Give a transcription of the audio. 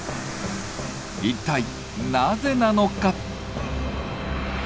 一体なぜなのか？